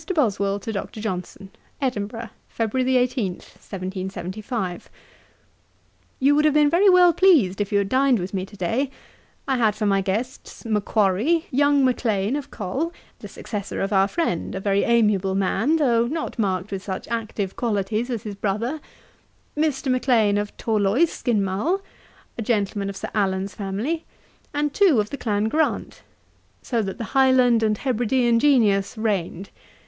BOSWELL TO DR. JOHNSON. 'Edinburgh, Feb. 18, 1775. 'You would have been very well pleased if you had dined with me to day. I had for my guests, Macquharrie, young Maclean of Col, the successor of our friend, a very amiable man, though not marked with such active qualities as his brother; Mr. Maclean of Torloisk in Mull, a gentleman of Sir Allan's family; and two of the clan Grant; so that the Highland and Hebridean genius reigned.